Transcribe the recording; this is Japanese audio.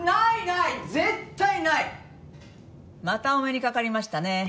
「またお目にかかりましたね」